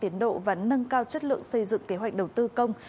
tiến độ và nâng cao chất lượng xây dựng kế hoạch đầu tư công